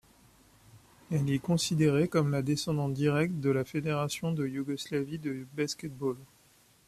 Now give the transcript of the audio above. Elle est considérée comme la descendante directe de la Fédération de Yougoslavie de basket-ball.